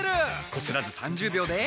こすらず３０秒で。